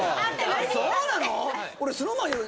そうなの？